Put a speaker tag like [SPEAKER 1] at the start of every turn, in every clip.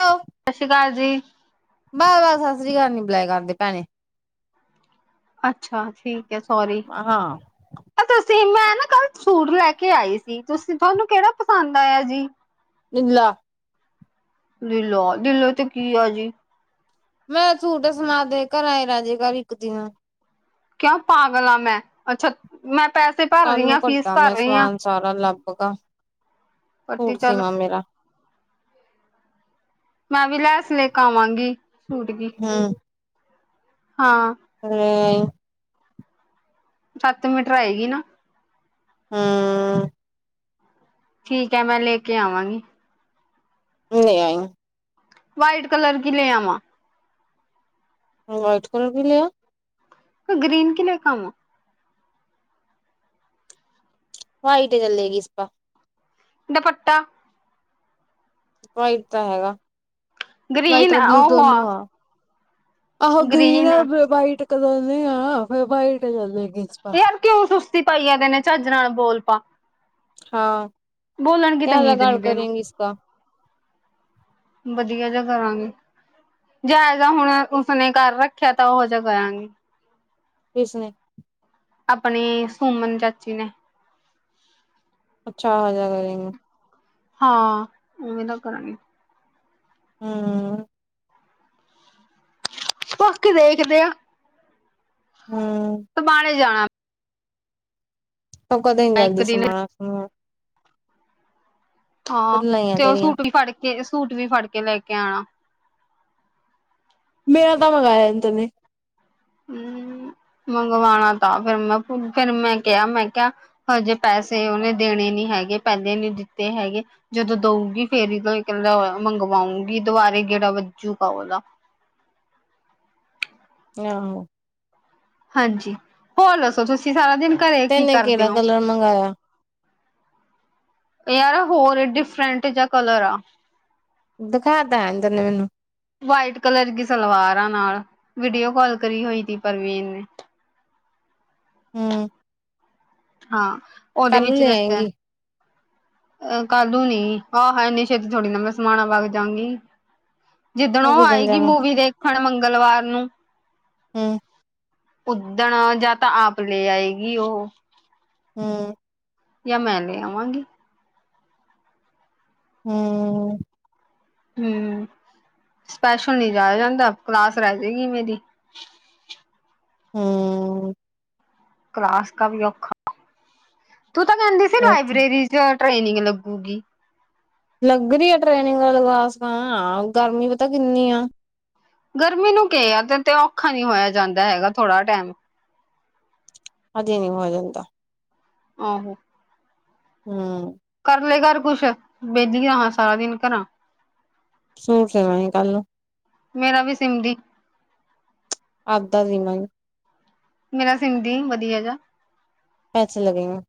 [SPEAKER 1] ਲੋ
[SPEAKER 2] ਸਛੀ ਕਾਲ ਜੀ।
[SPEAKER 1] ਬਾ ਰਾ ਸਸਰੀ ਕਾਲ ਨੀ ਬਲਾਏਆ ਕਰਦੇ ਭੈਣੇ
[SPEAKER 2] ਅੱਛਾ ਠੀਕ ਐ ਸੋਰੀ।
[SPEAKER 1] ਹਾਂ
[SPEAKER 2] ਤੁਸੀਂ ਮੈਂ ਨਾ ਕੱਲ ਸੂਟ ਲੈ ਕੇ ਆਈ ਸੀ ਤੁਸੀਂ ਤਾਨੂੰ ਕੇੜਾ ਪਸੰਦ ਆਇਆ ਜੀ?
[SPEAKER 1] ਈਲਾ
[SPEAKER 2] [unintelligible]
[SPEAKER 1] ਵੇ ਸੂਟ ਸਵਾ ਦੇ ਘਰੈਂ ਈ ਰੈਜੇਗਾ ਵੀ ਏਕ ਤੀਆ
[SPEAKER 2] ਕੇਆ ਪਾਗਲਾਾਂ ਆਂ ਮੈਂ। ਅੱਛਾ, ਮੈਂ ਪੈਸੇ ਭਰ
[SPEAKER 1] ਕੱਲ
[SPEAKER 2] ਰਈ
[SPEAKER 1] ਨੂੰ
[SPEAKER 2] ਆਂ ਫੀਸ
[SPEAKER 1] ਕੱਢਾ
[SPEAKER 2] ਭਰ
[SPEAKER 1] ਮੈਂ
[SPEAKER 2] ਰਈ ਆਂ
[SPEAKER 1] ਸਮਾਨ ਸਾਰਾ ਲੱਭ ਗਾ ਸੂਟ ਸੀਵਾਂ ਮੇਰਾ
[SPEAKER 2] ਮੈਂ ਵੀ ਲੈਸ ਲੇਕਾਵਾਂਗੀ ਸੂਟ ਦੀ
[SPEAKER 1] ਹੂ।
[SPEAKER 2] ਹਾਂ।
[SPEAKER 1] [unintelligible]
[SPEAKER 2] ਸੱਤ ਮੀਟਰ ਆਏਗੀ ਨਾ।
[SPEAKER 1] ਹੂੰ।
[SPEAKER 2] ਠੀਕ ਐ ਮੈਂ ਲੇ ਕੇ ਆਵਾਂਗੀ।
[SPEAKER 1] ਲੇ ਆਈਂ।
[SPEAKER 2] ਵਾਈਟ ਕਲਰ ਕੀ ਲੇ ਆਵਾਂ?
[SPEAKER 1] ਵਾਈਟ ਕਲਰ ਦੀ ਲੇ ਆ।
[SPEAKER 2] ਗ੍ਰੀਨ ਕਿ ਲ ਆਵਾਂ
[SPEAKER 1] ਵਾਈਟ ਚਲੇਗੀ ਈਸ ਪਾ
[SPEAKER 2] ਡੀਪਟਾ
[SPEAKER 1] ਵਾਈਟ ਤਾਂ ਹੈਗਾ, ਵਾਈਟ
[SPEAKER 2] ਗ੍ਰੀਨ
[SPEAKER 1] ਰ ਬਲੂ
[SPEAKER 2] ਉਹ
[SPEAKER 1] ਦੋਨੋ ਆ। ਆਹੋ ਗਰੀਨ
[SPEAKER 2] ਗ੍ਰੀਨ
[SPEAKER 1] ਬੀ ਵਾੲਈਟ ਕਲਰ [unintelligible]
[SPEAKER 2] ਯਾਰ ਕੀਉਂ ਸੁਸਤੀ ਪਾਈ ਜਾਨੈਨੇ ਝੱਜ ਨਾਲ ਬੋਲ ਪਾ।
[SPEAKER 1] ਹਾਂ
[SPEAKER 2] ਬੋਲਣ ਕੀ
[SPEAKER 1] ਕੇਆ
[SPEAKER 2] ਤਮੀਜ਼
[SPEAKER 1] ਲਗਾੜ
[SPEAKER 2] ਨੀ ਤੈਨੂੰ
[SPEAKER 1] ਕਰੇਗੀ ਇਸਕਾ
[SPEAKER 2] ਬਦੀਆ ਜਾ ਕਰਾਂਗੀ। ਜੇਆ ਹੁਣ ਉਸਨੇ ਕਰ ਰੱਖੈਆ ਤਾਂ ਉਹੋ ਜੇਆ ਕਰਾਂਗੀ
[SPEAKER 1] ਈਸ ਨੇ
[SPEAKER 2] ਆਪਣੀ ਸੋਮਨ ਚਾਚੀ ਨੇ
[SPEAKER 1] ਅੱਛਾ ਆਜੇਆ ਕਰੀ
[SPEAKER 2] ਹਾਂ ਏਵੇਂ ਤਾਂ ਕਰਗੇ
[SPEAKER 1] ਹੂੰ।
[SPEAKER 2] ਬਾਕੀ ਦੇਖਦੇ ਆ
[SPEAKER 1] ਹੂੰ।
[SPEAKER 2] ਅ ਬਣ ਜਾਣਾ
[SPEAKER 1] ੳਹ ਕਦੇ ਨੀ
[SPEAKER 2] ਮੈਂ ਇੱਕ
[SPEAKER 1] ਜਾਂਦੀ,
[SPEAKER 2] ਦਿਨ
[SPEAKER 1] ਸਮਾਣਾ
[SPEAKER 2] ਹਾਂ
[SPEAKER 1] ਖੁੱਲਾ ਈ ਆ
[SPEAKER 2] ਤੇ ਉਹ
[SPEAKER 1] ਤੇਰੀਆਂ।
[SPEAKER 2] ਸੂਟ ਵੀ ਫੜ ਕੇ, ਸੂਟ ਵੀ ਫੜ ਕੇ ਲੈ ਕੇ ਆਉਣਾ
[SPEAKER 1] ਮੇਰਾ ਤਾਂ ਮੰਗਾਇਆ ਨੀ, ਤਨ ਨੇ।
[SPEAKER 2] ਹਮ ਮੰਗਵਾਉਣਾ ਤਾਂਾ, ਫਿਰ ਮੈਂ, ਫਿਰ ਮੈਂ ਕਿਹਾ, ਮੈਂ ਕਿਹਾ ਹਜੇ ਪੈਸੇ ਉਹਨੇ ਦੇਣੇ ਨਹੀਂ ਹੈਗੇ, ਪਹਿਲੇ ਨਹੀਂ ਦਿੱਤੇ ਹੈਗੇ। ਜਦੋਂ ਦਊਗੀ ਫੇਰ ਹੀ ਕਹਿੰਦਾ ਮੰਗਵਾਉਂਗੀ, ਦੁਬਾਰੇ ਗੇੜਾ ਵੱਜੂਗਾਓਦਾ।
[SPEAKER 1] ਆਹੋ।
[SPEAKER 2] ਹਾਂਜੀ, ਹੋਰ ਦੱਸੋ ਤੁਸੀਂ ਸਾਰਾ ਦਿਨ ਘਰੇ ਕੀ ਕਰਦੇ ਹੋ?
[SPEAKER 1] ਰ ਮੰਗਾਇਆ।
[SPEAKER 2] ਯਾਰ, ਹੋਰ ਡਿਫਰੈਂਟ ਜਾਂ ਕਲਰ ਆ।
[SPEAKER 1] ਦਿਖਾਦਾਦਰਨੇ ਮੈਨੂੰ [unintelligible]
[SPEAKER 2] ਵਾਈਟ ਕਲਰ ਦੀ ਸਲਵਾਰ ਆ ਨਾਲ, ਵੀਡੀਓ ਕਾਲ ਕਰੀ ਹੋਈ ਸੀ ਪਰਵੀਨ ਨੇ।
[SPEAKER 1] ਹਮ।
[SPEAKER 2] ਹਾਂ, ਉਹਦੇ
[SPEAKER 1] ਕੱਲ ਨੂੰ
[SPEAKER 2] ਵਿੱਚ
[SPEAKER 1] ਲੈ
[SPEAKER 2] ਦੱਸਿਆ।
[SPEAKER 1] ਆਏਂਗੀ
[SPEAKER 2] ਅਹ ਕੱਲ ਨੂੰ ਨੀ, ਆਹੋ ਇੰਨੇ ਛੇਤੀ ਥੋੜੀ ਨਾ ਮੈਂ ਸਮਾਨ ਆਵਾਗ ਜਾਗੀ। ਜਿੱਦਣੋਂ
[SPEAKER 1] ਹੋਰ ਕਿਸ ਦਿਨ
[SPEAKER 2] ਆਏਗੀ
[SPEAKER 1] ਜਾਣਾ
[SPEAKER 2] ਮੂਵੀ ਦੇਖਣ, ਮੰਗਲਵਾਰ ਨੂੰ
[SPEAKER 1] ਹਮ।
[SPEAKER 2] ਉੱਦਣ, ਜਾਂ ਤਾਂ ਆਪ ਲੈ ਆਏਗੀ ਉਹ
[SPEAKER 1] ਹਾਂ।
[SPEAKER 2] ਜਾਂ ਮੈਂ ਲੈ ਆਵਾਂਗੀ।
[SPEAKER 1] ਹਮ।
[SPEAKER 2] ਹਮ, ਸਪੈਸ਼ਲ ਨੀ ਜਾ ਜਾਂਦਾ, ਕਲਾਸ ਰਹਿ ਜਾਏਗੀ ਮੇਰੀ।
[SPEAKER 1] ਹਮ।
[SPEAKER 2] ਕਲਾਸ ਕਾ ਵੀ ਔਖਾ, ਤੂੰ ਤਾਂ ਕਹਿੰਦੀ ਸੀ
[SPEAKER 1] ਅੱਛਾ
[SPEAKER 2] ਲਾਇਬ੍ਰੇਰੀ ਜਾਂ ਟ੍ਰੇਨਿੰਗ ਲੱਗੂਗੀ।
[SPEAKER 1] ਲੱਗ ਰ ਆ ਟ੍ਰੇਨਿੰਗ ਵਾਲ ਵਸ ਤਾਂ, ਹਾਂ ਗਰਮੀ ਪਤਾ ਕਿੰਨੀ ਆ।
[SPEAKER 2] ਗਰਮੀ ਨੂੰ ਕੀ ਆ, ਤੇ ਤੇ ਔਖਾ ਨੀ ਹੋਇਆ ਜਾਂਦਾ ਹੈਗਾ ਥੋੜਾ ਟਾਈਮ।
[SPEAKER 1] ਅਜੇ ਨਹੀਂ ਹੋਇਆ ਜਾਂਦਾ।
[SPEAKER 2] ਆਹੋ।
[SPEAKER 1] ਹਮ।
[SPEAKER 2] ਕਰ ਲਏ ਘਰ ਕੁਛ, ਵੇਲੀ ਹਾਂ ਸਾਰਾ ਦਿਨ ਘਰਾਂ।
[SPEAKER 1] ਸ਼ੂਟ ਸਿਮਾਗੀ, ਕੱਲ ਨੂੰ [unintelligible]
[SPEAKER 2] ਮੇਰਾ ਵੀ ਸਿੰਮਦੀ।
[SPEAKER 1] ਆਪਦਾ ਸਿਮਾਂਗੀ
[SPEAKER 2] ਮੇਰਾ ਸਮ ਦੀ, ਵਧੀਆ ਜਿਹਾ।
[SPEAKER 1] ਪੈਸੇ ਲਗੇਗਾ।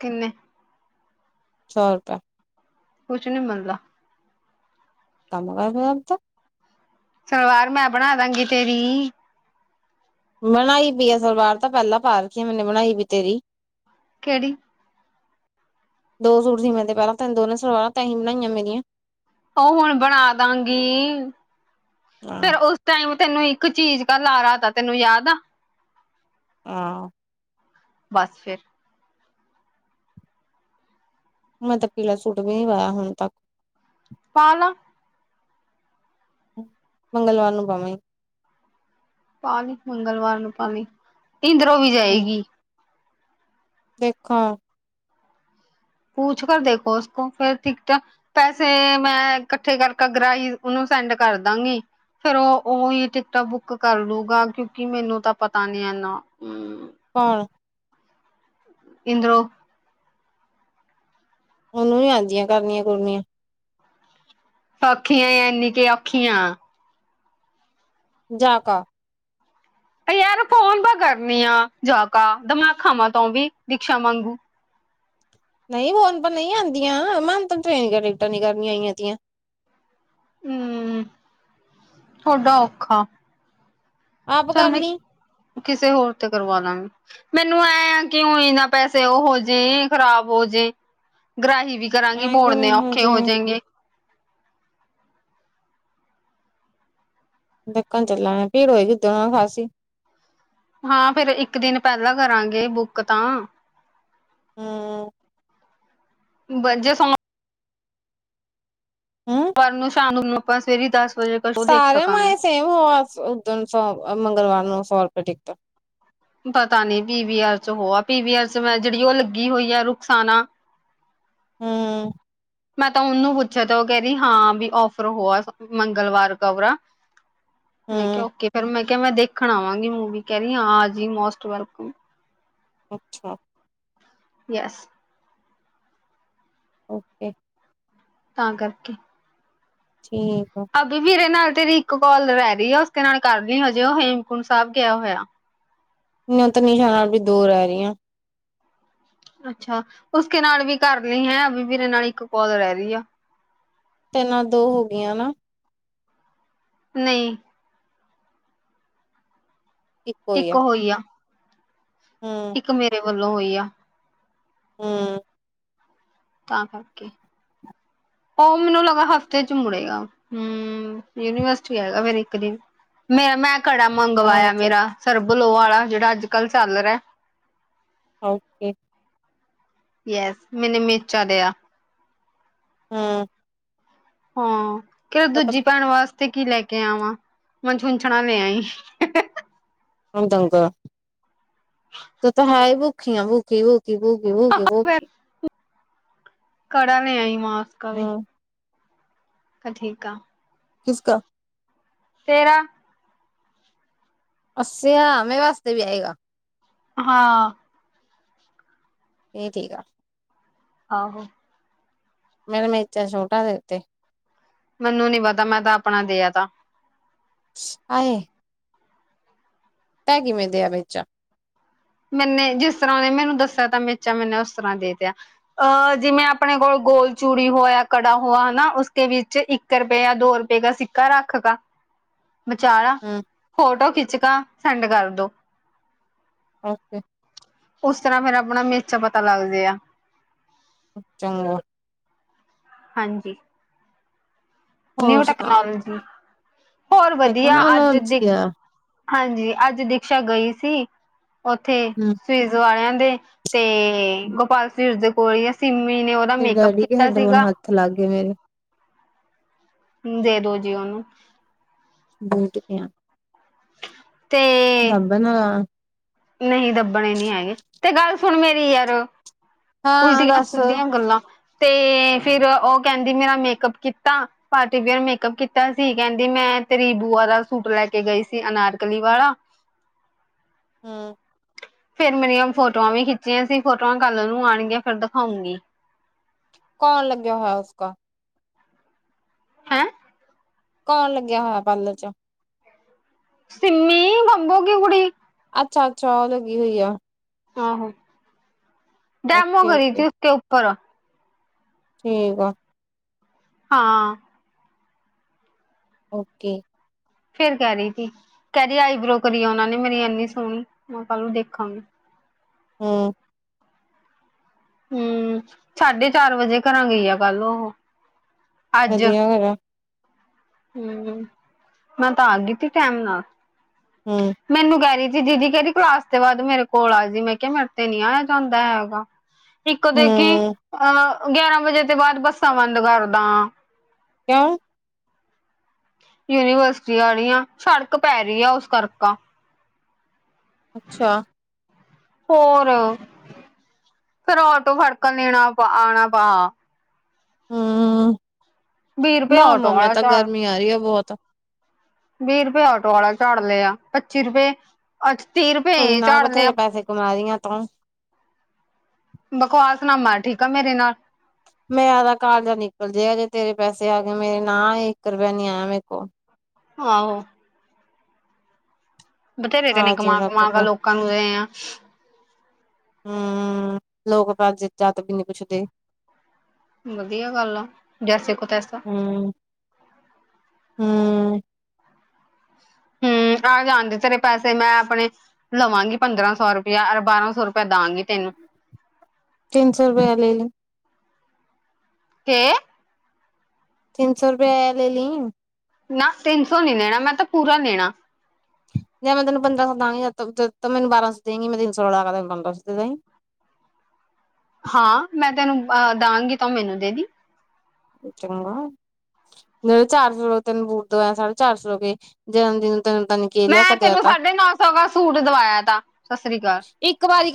[SPEAKER 2] ਕਿੰਨੇ?
[SPEAKER 1] ਸੌ ਰੁਪਏ।
[SPEAKER 2] ਕੁਛ ਨੀ ਮਿਲਦਾ।
[SPEAKER 1] ਤਮ ਕਰ ਫੇਰ ਤਾਂ
[SPEAKER 2] ਸਲਵਾਰ ਮੈਂ ਬਣਾ ਦਾਂਗੀ, ਤੇਰੀ।
[SPEAKER 1] ਬਣਾਈ ਪਈ ਅ ਸਲਵਾਰ ਤਾਂ, ਪਹਿਲਾਂ ਪਾ ਰੱਖ ਮੈਨੇ ਬਣਾਈ ਵੀਈ ਤੇਰੀ।
[SPEAKER 2] ਕਿਹੜੀ?
[SPEAKER 1] ਦੋ ਸੂ ਟ ਸੀ ਮੈਂ ਤੇ ਪਹਿਲਾਂ, ਤਿੰਨ ਦੋ ਨੇ ਸਲਵਾਰਾਂ ਤਸੀ ਹੀ ਬਣਾਈਆਂ ਮੇਰੀਆਂ।
[SPEAKER 2] ਉਹ ਹੁਣ ਬਣਾ ਦਾਂਗੀ।
[SPEAKER 1] ਹਾਂ
[SPEAKER 2] ਫੇਰ ਉਸ ਟਾਈਮ ਤੈਨੂੰ ਇੱਕ ਚੀਜ਼ ਦਾ ਲਾਰਾ ਹੁੰਦਾ ਤੈਨੂੰ ਯਾਦ ਆ।
[SPEAKER 1] ਹਾਂ।
[SPEAKER 2] ਬਸ ਫੇਰ
[SPEAKER 1] ਮੈਂ ਤਾਂ ਪੀਲਾ ਸੂਟ ਵੀ ਨੀ ਪਾਯਾ ਹੁਣ ਤੱਕ
[SPEAKER 2] ਪਾ ਲੈ।
[SPEAKER 1] ਮੰਗਲਵਾਰ ਨੂੰ ਪਾਵੀਂ।
[SPEAKER 2] ਪਾ ਲੀ ਮੰਗਲਵਾਰ ਨੂੰ ਪਾ ਲੀ, ਇੰਦਰੋਂ ਵੀ
[SPEAKER 1] ਹੂੰ
[SPEAKER 2] ਜਾਏਗੀ।
[SPEAKER 1] ਦੇਖਾਂ
[SPEAKER 2] ਪੂਛ ਕਰ ਦੇਖੋ ਉਸ ਕੋ ਫੇਰ ਟਿਕਟਾ ਪੈਸੇ ਮੈਂ ਇਕੱਠੇ ਕਰਕੇ ਗਰਾਈ ਓਨੂੰ ਸੈਂਡ ਕਰਦਾਂਗੀ। ਫੇਰ ਓ ਓਈ ਟਿਕਟਾਂ ਬੁੱਕ ਕਰ ਲੂਗਾ ਕਿਉਂਕਿ ਮੈਨੂੰ ਤਾਂ ਪਤਾ ਨੀ ਏਨਾ
[SPEAKER 1] ਪਾਲ
[SPEAKER 2] ਇੰਦਰੋ
[SPEAKER 1] ਓਨੂੰ ਵੀ ਆਂਦੀਆਂ ਕਰਨੀਆਂ-ਕੁਰਨੀਆ।
[SPEAKER 2] ਸੋਖੀ ਆਂ ਯਾਂ ਐਨੀ ਕਿ ਔਖੀ ਆਂ
[SPEAKER 1] ਜਾਕਾ
[SPEAKER 2] ਤੇ ਯਾਰ ਫੋਨ ਪਾ ਕਰਨੀ ਆ ਜਾਕਾ ਤਮਾ ਖਾਵਾਂ ਤੋਂ ਵੀ ਦੀਕਸ਼ਾ ਵਾਂਗੂ
[SPEAKER 1] ਨਈ ਫੋਨ ਪਰ ਨਈ ਆਂਦੀਆਂ ਮੈਨੂੰ ਤੂੰ ਟ੍ਰੇਨ ਦੀ ਟਿਕਟਾਂ ਨੀ ਕਰਨੀਆਂ ਆਈ ਦੀਆਂ।
[SPEAKER 2] ਹੂੰ ਤੁਆਡਾ ਔਖਾ
[SPEAKER 1] ਆਪ
[SPEAKER 2] ਚੱਲ
[SPEAKER 1] ਕਰ
[SPEAKER 2] ਮੈਂ
[SPEAKER 1] ਲਈ
[SPEAKER 2] ਕਿਸੇ ਹੋਰ ਤੇ ਕਰਵਾ ਲਾਂ ਗੇ। ਮੈਨੂੰ ਐ ਆ ਕਿਉਂ ਇਨਾ ਪੈਸੇ ਓ ਹੋਜੇ ਖ਼ਰਾਬ ਹੋ ਜੇ ਗ੍ਰਾਹੀ ਵਿੱਚ।
[SPEAKER 1] ਐ
[SPEAKER 2] ਕਰਾਂਗੇ ਮੋੜਨੇ
[SPEAKER 1] ਕਿਵੇਂ
[SPEAKER 2] ਔਖੇ
[SPEAKER 1] ਜੇ
[SPEAKER 2] ਹੋ ਜੇਂਗੇ।
[SPEAKER 1] ਦੇਖਣ ਚਲਾਂਗੇ ਭੀੜ ਹੋਏਗੀ ਦੋਨੋ ਖਾਸੀ
[SPEAKER 2] ਹਾਂ ਫੇਰ ਇੱਕ ਦਿਨ ਪੈਲਾਂ ਕਰਾਂਗੇ ਬੁੱਕ ਤਾਂ
[SPEAKER 1] ਹੂੰ।
[SPEAKER 2] ਬ ਜ ਸਮ
[SPEAKER 1] ਹੂੰ
[SPEAKER 2] ਪਰ ਨੂੰ ਸ਼ਾਮ ਨੂੰ ਆਪਾਂ ਸਵੇਰੇ ਈ ਦਸ ਵਜੇ ਕ ਸ਼ੋਅ ਦੇਖ
[SPEAKER 1] ਸਾਰੀਆਂ
[SPEAKER 2] ਸਕਾਂਗੇ।
[SPEAKER 1] ਮਾਏ ਸੇਮ ਹੋਵਾ ਉਦਨ ਸੌ ਮੰਗਲਵਾਰ ਨੂੰ ਸੌ ਰੁਪਏ ਟਿਕਟ
[SPEAKER 2] ਪਤਾ ਨੀ ਪੀ ਵੀ ਆਰ ਚ ਹੋ ਆ ਪੀ ਵੀ ਆਰ ਚ ਮੈਂ ਜੇੜੀ ਓ ਲੱਗੀ ਹੋਈ ਆ ਰੁਖਸਾਨਾ
[SPEAKER 1] ਹੁੰ
[SPEAKER 2] ਮੈਂ ਤਾਂ ਓਨੂੰ ਪੁੱਛਿਆ ਤ ਓ ਕੈ ਰੀ ਵੀ ਔਫਰ ਹੋਆ ਮੰਗਲਵਾਰ ਕਰਵਾ ਮੈਂ ਕੇਹਾ
[SPEAKER 1] ਹੂੰ
[SPEAKER 2] ਓਕੇ ਫਿਰ ਮੈਂ ਕਿਹਾ ਮੈਂ ਦੇਖਣ ਆਵਾਂਗੀ ਮੂਵੀ ਕਹਿ ਰੀ ਆਪ ਜੀ ਮੋਸਟ ਵੈਲਕਮ।
[SPEAKER 1] ਅੱਛਾ।
[SPEAKER 2] ਯੈਸ।
[SPEAKER 1] ਓਕੇ-
[SPEAKER 2] ਤਾਂ ਕਾਰਕੇ
[SPEAKER 1] ਠੀਕ ਆ।
[SPEAKER 2] ਪਾਬੀ ਵੀੇਰੇ ਨਾਲ ਤੇਰੀ ਇੱਕ ਕਾਲ ਰੈ ਗਈ ਉਸਦੇ ਨਾਲ ਕਰ ਲਈ ਹਜੇ ਓ ਹੇਮਕੁੰਟ ਸਾਬ ਗਿਆ ਹੋਯਾ।
[SPEAKER 1] ਨੀ ਓਤ ਨਹੀਂ ਜਾਣਾ ਅਬੀ ਦੋ‌ ਰਹਿ ਰਹੀਆਂ।
[SPEAKER 2] ਅੱਛਾ ਉਸਕੇ ਨਾਲ ਵੀ ਕਰ ਲਈ ਹੈ ਵੀ ਵੀੇਰੇ ਨਾਲ ਇੱਕ ਕੌਲ ਰਹਿ ਰੀ ਆ।
[SPEAKER 1] ਪੈਲਾ ਦੋ ਹੋ ਗਿਆਂ ਨਾ।
[SPEAKER 2] ਨਈ।
[SPEAKER 1] ਇੱਕ
[SPEAKER 2] ਇੱਕ ਹੋਈ ਆ।
[SPEAKER 1] ਹੂੰ।
[SPEAKER 2] ਇੱਕ ਮੇਰੇ ਵੱਲੋਂ ਹੋਈ ਆ।
[SPEAKER 1] ਹੂੰ।
[SPEAKER 2] ਤਾਂ ਕਰਕੇ ਓ ਮੈਨੂੰ ਲੱਗਾ ਹਫ਼ਤੇ ਚ ਮੁੜੇਗਾ ਹੂੰ ਯੂਨੀਵਰਸਿਟੀ ਆਏਗਾ ਫੇਰ ਇੱਕ ਦਿਨ। ਮੇਰਾ ਮੈਂ ਕੜਾ ਮੰਗਵਾਏਆ ਮੇਰਾ ਸਰਬਲੋ ਆਲਾ ਜੇੜਾ ਅੱਜ ਕੱਲ ਚੱਲ ਰਿਆ।
[SPEAKER 1] ਓਕੇ।
[SPEAKER 2] ਯਸ ਮੈਨੇ ਮੇਚਾ ਲੇਆ।
[SPEAKER 1] ਹੂੰ।
[SPEAKER 2] ਹਾਂ ਕੈਂਦਾ ਦੂਜੀ ਭੈਨ ਵਾਸਤੇ ਕੀ ਲੈ ਕੇ ਆਵਾਂ ਮਹਾਂ ਛੁਨਛੁਨਾ ਲੇ ਆਈਂ।
[SPEAKER 1] [unintelligible] ਤੂੰ ਤਾਂ ਹੈ ਈ ਭੁੱਖੀ ਆਂ ਭੁੱਖੀ ਭੁ ਭੂਖੀ-ਭੂਖੀ-ਭੂਖੀ।
[SPEAKER 2] ਕੜਾ ਲੇ ਆਈ ਮਹਾਂ।
[SPEAKER 1] ਹੂੰ।
[SPEAKER 2] ਠੀਕ ਆਂ।
[SPEAKER 1] ਕਿਸਕਾ
[SPEAKER 2] ਤੇਰਾ
[SPEAKER 1] ਅੱਸੇਆ ਮੇਰੇ ਵਾਸਤੇ ਵੀ ਆਏਗਾ।
[SPEAKER 2] ਹਾਂ।
[SPEAKER 1] ਏਹ ਠੀਕ ਆ।
[SPEAKER 2] ਆਹੋ।
[SPEAKER 1] ਮੇਰਾ ਮੇਚਾ ਛੋਟਾ ਦੇਤੇ।
[SPEAKER 2] ਮੈਨੂੰ ਨੀ ਪਤਾ ਮੈਂ ਤਾਂ ਆਪਨਾ ਦੇਆ ਤਾ।
[SPEAKER 1] ਹਾਏ। ਤੈ ਕਿਵੇਂ ਦੇਆ ਮੇਚਾ।
[SPEAKER 2] ਮੈਨੇ ਜਿਸ ਤਰ੍ਹਾਂ ਓਨੇ ਮੈਨੂੰ ਦੱਸੇਆ ਤਾਂ ਮੇਚਾ ਮੈਨੇ ਓਸ ਤਰ੍ਹਾਂ ਦੇ ਤੇਆ। ਅਹ ਜਿਵੇਂ ਆਪਨੇ ਕੋਲ ਗੋਲ ਚੂੜੀ ਹੋਏਆ ਜਾਂ ਕੜਾ ਹੋਆ ਹਨਾ ਉਸਕੇ ਵਿੱਚ ਇੱਕ ਇੱਕ ਰੁਪਏਆ ਦੋ ਰੁਪਏ ਕਾ ਸਿੱਕਾ ਰੱਖਤਾ। ਵਿਚਾਰਾ
[SPEAKER 1] ਹੂੰ
[SPEAKER 2] ਫੋਟੋ ਖਿੱਚਕਾ ਸੈਂਡ ਕਰਦੋ।
[SPEAKER 1] ਓਕੇ।
[SPEAKER 2] ਉਸ ਤਰ੍ਹਾਂ ਫੇਰ ਆਪਨਾ ਮੇਚਾ ਪਤਾ ਲੱਗ ਜੇ ਆ।
[SPEAKER 1] ਚੰਗਾ।
[SPEAKER 2] ਹਾਂਜੀ।
[SPEAKER 1] ਹੋਰ
[SPEAKER 2] ਨਿਊ
[SPEAKER 1] ਸੁਣਾ
[SPEAKER 2] ਟੈਕਨੋਲੋਜੀ, ਹੋਰ ਵਦੀਆ ਅੱਜ ਦੇ
[SPEAKER 1] ਟੈਕਨੋਲੋਜੀ ਆ
[SPEAKER 2] ਹਾਂਜੀ ਅੱਜ ਦੇਖੇਆ ਗਈ ਸੀ ਓਥੇ
[SPEAKER 1] ਹੂੰ
[SPEAKER 2] ਸਵੀਜ਼ ਵਾਲਿਆਂ ਦੇ। ਤੇ ਗੋਪਾਲ ਸਵੀਟਸ ਦੇ ਕੋਲੇ ਆ ਸਿੰਮੀ ਨੇ ਓ
[SPEAKER 1] ਮੇਰੇ ਡੈਡੀ ਕੇ ਹੈੱਡਫੋਨ ਹੱਥ ਲਾਗੇ ਮੇਰੇ।
[SPEAKER 2] ਦੇ ਦੋ ਜੀ ਓਨੂੰ।
[SPEAKER 1] ਗੋਂਦ ਪੇਆ।
[SPEAKER 2] ਤੇ
[SPEAKER 1] ਦੱਬ ਨਾ
[SPEAKER 2] ਨਹੀਂ ਦੱਬਨੇ ਨੀ ਹੈਗੇ ਤੇ ਗੱਲ ਸੁਨ ਮੇਰੀ ਯਾਰ
[SPEAKER 1] ਹਾਂ
[SPEAKER 2] ਉਲਟੀਆਂ
[SPEAKER 1] ਦੱਸ
[SPEAKER 2] ਸਿੱਦੀਆਂ ਗੱਲਾਂ ਤੇ ਫਿਰ ਓ ਕੈਂਦੀ ਮੇਰਾ ਮੇਕਅੱਪ ਕੀਤਾ। ਪਾਰਟੀ ਵੀਅਰ ਮੇਕਅਪ ਕੀਤਾ ਸੀ ਕੈਂਦੀ ਮੈਂ ਤੇਰੀ ਬੂਆ ਦਾ ਸੂਟ ਲੈ ਕੇ ਗਈ ਸੀ ਅਨਾਰਕਲੀ ਵਾਲਾ।
[SPEAKER 1] ਹੂੰ।
[SPEAKER 2] ਫੇਰ ਮੇਰੀਆਂ ਫੋਟੋਆਂ ਵੀ ਖਿੱਚੀਆਂ ਸੀ, ਫੋਟੋਆਂ ਕੱਲ ਨੂੰ ਆਉਣਗੀਆਂ ਫਿਰ ਦਿਖਾਉਂਗੀ।
[SPEAKER 1] ਕੌਣ ਲੱਗਿਆ ਹੋਇਆ ਉਸ ਕਾ।
[SPEAKER 2] ਹੈਂ
[SPEAKER 1] ਕੌਣ ਲੱਗਿਆ ਹੋਇਆ ਪਾਰਲਰ ਚ
[SPEAKER 2] ਸਿੰਮੀ ਬੱਬੂ ਕੀ ਕੁੁੜੀ।
[SPEAKER 1] ਅੱਛਾ, ਅੱਛਾ ਉਹ ਲੱਗੀ ਹੋਈ ਆ।
[SPEAKER 2] ਆਹੋ, ਡੈਮੋ
[SPEAKER 1] ਓਕੇ
[SPEAKER 2] ਕਰੀ ਤੀ
[SPEAKER 1] ਓਕੇ
[SPEAKER 2] ਉਸਕੇ ਉਪਰ।
[SPEAKER 1] ਠੀਕ ਆ
[SPEAKER 2] ਹਾਂ।
[SPEAKER 1] ਓਕੇ।
[SPEAKER 2] ਫੇਰ ਕਹਿ ਰਹੀ ਤੀ ਕਹਿ ਰਹੀ ਆਈਬ੍ਰੋ ਕਰੀ ਉਹਨਾ ਨੇ ਮੇਰੀ ਇੰਨੀ ਸੋਹਣੀ ਮੈਂ ਕਿਹਾ ਕੱਲ ਨੂੰ ਦੇਖਾਂਗੀ।
[SPEAKER 1] ਹੂੰ।
[SPEAKER 2] ਹੂੰ, ਸਾਢੇ ਚਾਰ ਵਜੇ ਘਰਾਂ ਗਈ ਆ ਕੱਲ ਉਹੋ।
[SPEAKER 1] ਵਧੀਆ ਕਰਿਆ।
[SPEAKER 2] ਹੂੰ, ਮੈਂ ਤਾਂ ਆ ਗੀ ਤੀ ਟੈਮ ਨਾਲ।
[SPEAKER 1] ਹੂੰ।
[SPEAKER 2] ਮੈਨੂੰ ਕਹਿ ਰਹੀ ਤੀ ਦੀਦੀ ਕਹਿੰਦੀ ਕਲਾਸ ਤੋਂ ਬਾਅਦ ਮੇਰੇ ਕੋਲ ਆਜੀ, ਮੈਂ ਕਿਹਾ ਮੇਰੇ ਤੇ ਨੀ ਆਇਆ ਜਾਂਦਾ ਹੈਗਾ। ਇੱਕ ਦੇਖੀ
[SPEAKER 1] ਹੂੰ
[SPEAKER 2] ਅਹ ਗਿਆਰਾਂ ਵਜੇ ਤੋਂ ਬਾਅਦ ਬੱਸਾਂ ਬੰਦ ਕਰਦਾ।
[SPEAKER 1] ਕਿਉ
[SPEAKER 2] ਯੂਨੀਵਰਸਿਟੀ ਵਾਲੀਆਂ ਸੜਕ ਪੈ ਰਹੀ ਆ ਉਸ ਕਰਕਾ।
[SPEAKER 1] ਅੱਛਾ।
[SPEAKER 2] ਹੋਰ ਫਿਰ ਆਟੋ ਫੜਕਣ ਦੇਣਾ ਆਉਣਾ ਪਾ।
[SPEAKER 1] ਹੂੰ
[SPEAKER 2] ਵੀਹ ਰੁਪਏ
[SPEAKER 1] ਨਾ
[SPEAKER 2] ਟੋ
[SPEAKER 1] ਮੈਂ
[SPEAKER 2] ਵਾਲਾ
[SPEAKER 1] ਤਾਂ
[SPEAKER 2] ਚਾਰ।
[SPEAKER 1] ਗਰਮੀ ਆ ਰਹੀ ਆ ਬਹੁਤ
[SPEAKER 2] ਵੀਹ ਰੁਪਏ ਆਟੋ ਵਾਲਾ ਝਾੜ ਲਿਆ, ਪੱਚੀ ਰੁਪਏ। ਅੱਛ ਤੀਹ
[SPEAKER 1] ਕੋਈ
[SPEAKER 2] ਰੁਪਏ
[SPEAKER 1] ਨਾ
[SPEAKER 2] ਝਾੜਨੇ ਆ।
[SPEAKER 1] ਬਥੇਰੇ ਪੈਸੇ ਕਮਾ ਰਹੀ ਆ ਤੂੰ
[SPEAKER 2] ਬਕਵਾਸ ਨਾ ਮਾਰ ਠੀਕ ਆ ਮੇਰੇ ਨਾਲ।
[SPEAKER 1] ਮੇਰਾ ਤਾਂ ਕਾਰਜ ਨਿਕਲ ਜੇ ਜੇ ਤੇਰੇ ਪੈਸੇ ਆ ਗਏ ਮੇਰੇ ਨਾ ਇੱਕ ਰੁਪਆ ਨੀ ਆਇਆ ਮੇਰੇ ਕੋਲ।
[SPEAKER 2] ਆਹੋ ਬਥੇਰੇ ਤ
[SPEAKER 1] ਆ
[SPEAKER 2] ਨੇ
[SPEAKER 1] ਜੇ
[SPEAKER 2] ਕਮਾ
[SPEAKER 1] ਰੱਬ
[SPEAKER 2] ਕਮਾ ਆ
[SPEAKER 1] ਕ
[SPEAKER 2] ਲੋਕਾਂ ਨੂੰ ਦੇ ਆ
[SPEAKER 1] ਹੂੰ, ਲੋਕ ਭਜ ਜਾਤ ਵੀ ਨਹੀਂ ਪੁੱਛਦੇ।
[SPEAKER 2] ਵਧੀਆ ਗੱਲ ਆ ਜੈਸੇ ਕੋ ਤੈਸਾ।
[SPEAKER 1] ਹੂੰ ਹੂੰ
[SPEAKER 2] ਹੂੰ ਆ ਜਾਣਦੇ ਤੇਰੇ ਪੈਸੇ ਮੈਂ ਆਪਣੇ। ਲਵਾਂਗੀ ਪੰਦਰਾਂ ਸੌ ਰੁਪਇਆ ਬਾਰਾਂ ਸੌ ਰੁਪਇਆ ਦਵਾਂਗੀ ਤੈਨੂੰ।
[SPEAKER 1] ਤਿੰਨ ਸੌ ਰੁਪਏ ਲੈ ਲੇ।
[SPEAKER 2] ਕਿ
[SPEAKER 1] ਤਿੰਨ ਸੌ ਰੁਪਇਏ ਆਇ ਲੈ ਲਈ
[SPEAKER 2] ਨਾ ਤਿੰਨ ਸੌ ਨੀ ਲੈਣਾ ਮੈਂ ਤਾਂ ਪੂਰਾ ਲੈਣਾ।
[SPEAKER 1] ਜੇ ਮੈਂ ਤੈਨੂੰ ਪੰਦਰਾਂ ਸੌ ਦਵਾਂਗੀ ਮੈਨ ਬਾਰਾਂ ਸੌ ਦੇਗੀ ਮੈਂ ਤਿੰਨ ਸੌ ਰਲਾਗਾ ਤੈਨ ਪੰਦਰ ਸੌ ਦੇਈ
[SPEAKER 2] ਹਾਂ ਮੈਂ ਤੈਨੂੰ ਅਹ ਦਾਂਗੀ ਤਾਂ ਮੈਨੂੰ ਦੇ ਦੀ
[SPEAKER 1] ਚੰਗਾ। ਜਿ ਚਾਰ ਸੌ ਰ ਤੈਨੂੰ ਬੂਟ ਦਵਾਇਆ ਸਾਢੇ ਚਾਰ ਸੌ ਰੁਪਏ ਜਨਮਦਿਨ ਤੈਨ ਤਾਂ। ਨਿਕੇਲਿਆ
[SPEAKER 2] ਮੈਂ
[SPEAKER 1] ਕਦਿਆ
[SPEAKER 2] ਤੈਨੂੰ
[SPEAKER 1] ਤਾਂ
[SPEAKER 2] ਸਾਢੇ ਨੌ ਸੌ ਦਾ ਸੂਟ ਦਵਾਇਆ ਤਾ ਸਤਿ ਸ੍ਰੀ ਅਕਾਲ।
[SPEAKER 1] ਇੱਕ ਵਾਰੀ।